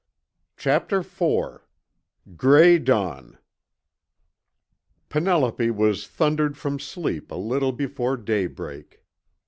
Chapter IV GRAY DAWN Penelope was thundered from sleep a little before daybreak.